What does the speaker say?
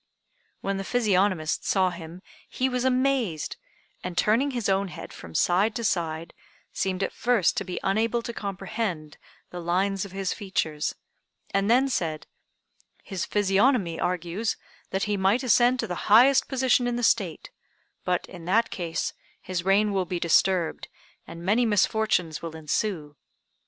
When the physiognomist saw him, he was amazed, and, turning his own head from side to side, seemed at first to be unable to comprehend the lines of his features, and then said, "His physiognomy argues that he might ascend to the highest position in the State, but, in that case, his reign will be disturbed, and many misfortunes will ensue.